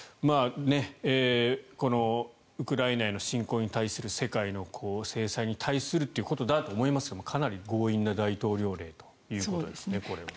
このウクライナへの侵攻に対する世界の制裁に対するということだと思いますがかなり強引な大統領令ということですね、これは。